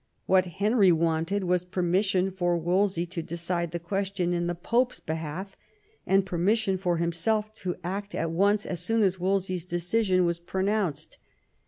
What Henry wanted was permission for Wolsey to decide the ques tion in the Pope's behalf, and permission for himself to act at once as soon as Wolsey's decision was pronounced.